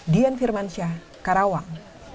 dian firmansyah karawang